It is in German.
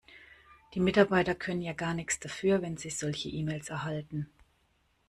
Die Mitarbeiter können ja gar nichts dafür, wenn sie solche E-Mails erhalten.